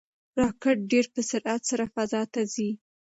راکټ ډېر په سرعت سره فضا ته ځي.